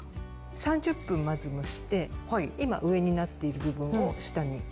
３０分まず蒸して今上になっている部分を下にして。